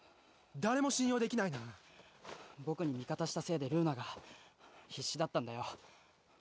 誰も信用できないな僕に味方したせいでルーナが必死だったんだよ